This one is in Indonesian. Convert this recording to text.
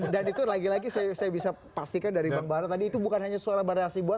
dan itu lagi lagi saya bisa pastikan dari bang bahara tadi itu bukan hanya suara barah sibuan